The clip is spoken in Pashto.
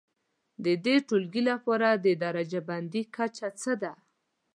د دې ټولګي لپاره د درجه بندي کچه څه ده؟